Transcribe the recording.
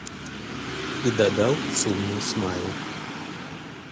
І дадаў сумныя смайлы.